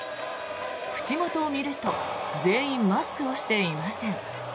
口元を見ると全員マスクをしていません。